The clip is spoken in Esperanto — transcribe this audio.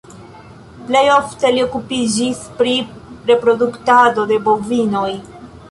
Plej ofte li okupiĝis pri reproduktado de bovinoj.